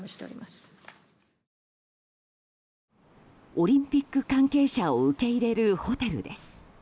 オリンピック関係者を受け入れるホテルです。